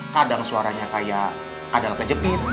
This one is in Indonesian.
kadang suaranya kayak ada kejepit